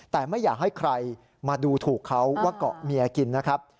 แต่ไม่อยากให้ใครมาดูถูกเขาว่าเกาะเมียกินนะครับ